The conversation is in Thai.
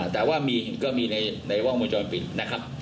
แต่ว่ามีก็มีในและว่าอันต้อนการปิดนะครับ